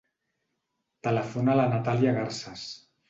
Telefona a la Natàlia Garces.